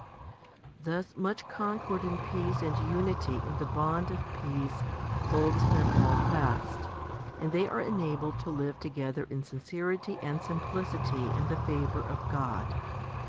3. Thus much concord and peace and unity in the bond of peace 2 holds them all fast, and they are enabled to live together in sincerity and simplicity and the favour of God.